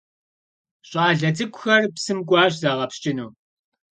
Ş'ale ts'ık'uxzr psım k'uaş zağepsç'ınu.